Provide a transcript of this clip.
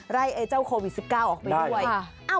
ไอ้เจ้าโควิด๑๙ออกไปด้วย